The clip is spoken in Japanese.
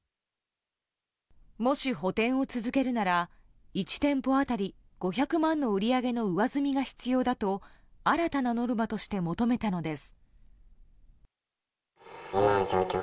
もし補填を続けるなら１店舗当たり５００万の売り上げの上積みが必要だと新たなノルマとして求めたのです。